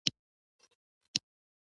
پنېر د څارویو روزنې له برکته کېږي.